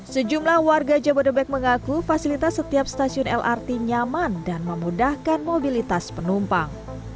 sejumlah warga jabodebek mengaku fasilitas setiap stasiun lrt nyaman dan memudahkan mobilitas penumpang